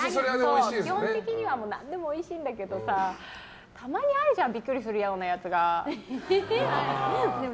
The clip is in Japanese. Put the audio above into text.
基本的には何でもおいしいんだけどたまにあるじゃんビックリするようなやつが。